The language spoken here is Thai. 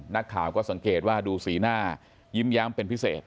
นักข่าวก็สังเกตว่าดูสีหน้ายิ้มแย้มเป็นพิเศษ